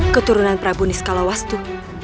keturunan prabu niskalawastu